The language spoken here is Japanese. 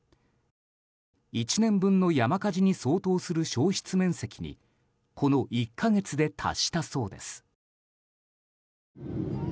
１年分の山火事に相当する焼失面積にこの１か月で達したそうです。